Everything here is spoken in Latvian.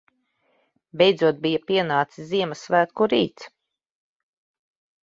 Beidzot bija pienācis Ziemassvētku rīts.